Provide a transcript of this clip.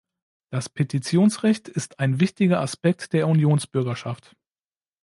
Das Petitionsrecht ist ein wichtiger Aspekt der Unionsbürgerschaft.